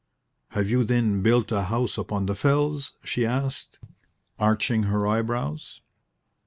"Have you, then, built a house upon the fells?" she asked, arching her eyebrows.